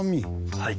はい。